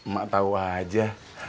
mak tahu aja